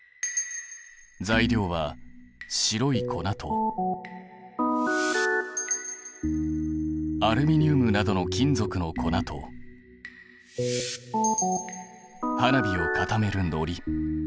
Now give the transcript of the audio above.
材料は白い粉とアルミニウムなどの金属の粉と花火を固めるのり。